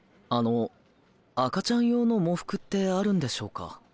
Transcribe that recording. あの赤ちゃん用の喪服ってあるんでしょうか？